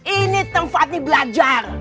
ini tempatnya belajar